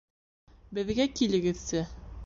Беҙгә килегеҙсе.